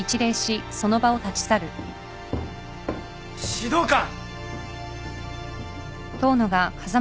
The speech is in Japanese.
指導官！